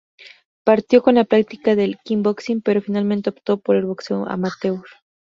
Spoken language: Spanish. Partió con la práctica del kickboxing, pero finalmente optó por el boxeo amateur.